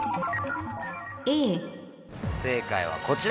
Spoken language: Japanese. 正解はこちら。